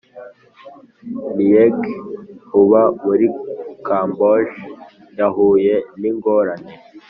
Nieng uba muri Kamboje yahuye n ingorane